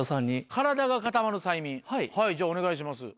体が固まる催眠はいじゃあお願いします。